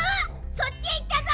そっちへいったぞ！